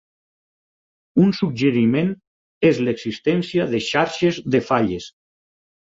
Un suggeriment és l'existència de xarxes de falles.